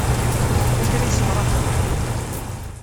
Lakra ysefrahen?